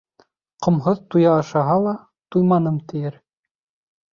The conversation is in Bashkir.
Ҡомһоҙ туя ашаһа ла, «туйманым» тиер.